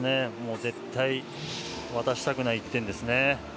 絶対渡したくない１点ですね。